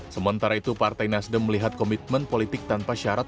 sementara itu partai nasdem melihat komitmen politik tanpa syarat